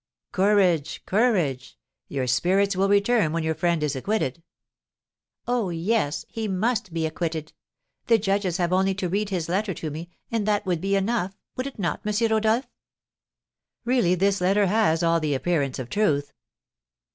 "Courage, courage! Your spirits will return when your friend is acquitted." "Oh, yes, he must be acquitted. The judges have only to read his letter to me, and that would be enough, would it not, M. Rodolph?" "Really, this letter has all the appearance of truth.